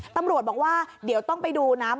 ตำรวจบอกว่าเดี๋ยวต้องไปดูนะ